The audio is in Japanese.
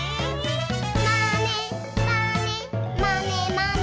「まねまねまねまね」